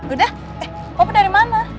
udah eh aku dari mana